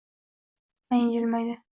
Mayin jilmaydi…